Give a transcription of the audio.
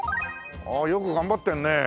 ああよく頑張ってるね。